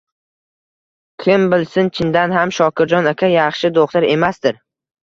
Kim bilsin, chindan ham, Shokirjon aka yaxshi do‘xtir emasdir